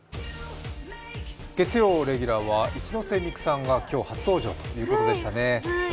月曜レギュラーは一ノ瀬美空さんが今日初登場ということでしたね。